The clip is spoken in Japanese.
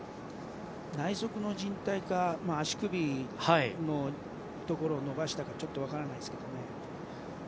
内側じん帯か足首のところを伸ばしたかちょっと分からないですけどね。